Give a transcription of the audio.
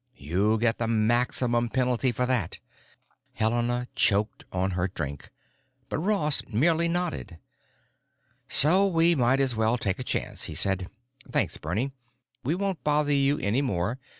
You get the maximum penalty for that." Helena choked on her drink, but Ross merely nodded. "So we might as well take a chance," he said. "Thanks, Bernie. We won't bother you any more.